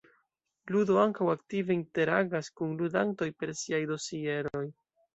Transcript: Ludo ankaŭ aktive interagas kun ludantoj per siaj dosieroj.